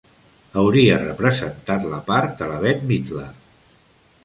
Hauria representat la part de la Bette Midler.